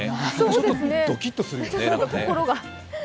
ちょっとドキッとするよね。